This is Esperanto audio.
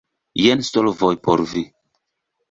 Jen solvoj por vi.